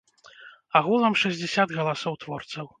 Агулам шэсцьдзясят галасоў творцаў.